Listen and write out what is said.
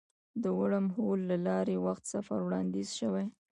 د ورم هول له لارې وخت سفر وړاندیز شوی.